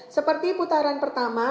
seperti putaran pertama